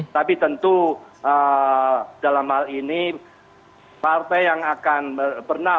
tapi tentu dalam hal ini partai yang akan berada di dalam kekuasaan